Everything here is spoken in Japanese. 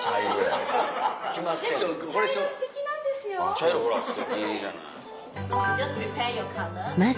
茶色ほらすてきじゃない。